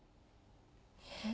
えっ？